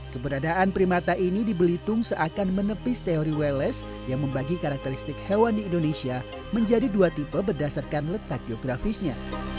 keberadaan primata ini di belitung seakan menepis teori welles yang membagi karakteristik hewan di indonesia menjadi dua tipe berdasarkan letak geografisnya